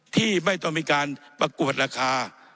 ที่ไม่ต้องมีการประกวดราคา